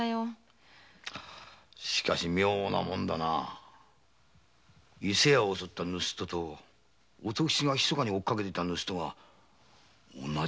しかし妙なもんだな伊勢屋を襲った盗っ人と乙吉が密かに追っかけていた盗っ人が同じ「かげろう一味」とは。